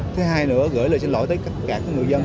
thứ hai nữa gửi lời xin lỗi tới các người dân